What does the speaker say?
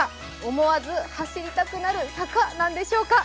思わず走りたくなる坂なんでしょうか？